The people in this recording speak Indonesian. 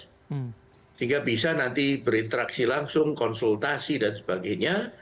sehingga bisa nanti berinteraksi langsung konsultasi dan sebagainya